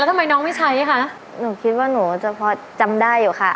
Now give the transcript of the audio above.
ทำไมน้องไม่ใช้คะหนูคิดว่าหนูจะพอจำได้อยู่ค่ะ